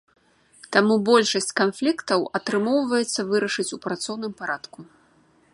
Таму большасць канфліктаў атрымоўваецца вырашыць у працоўным парадку.